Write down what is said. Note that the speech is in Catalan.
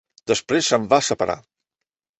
Després se'n va separar.